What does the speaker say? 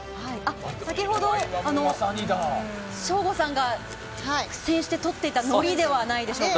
先ほど省吾さんが苦戦して取っていたのりではないでしょうか。